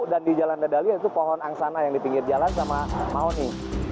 dan di jalan dadali itu pohon angsana yang di pinggir jalan sama maoni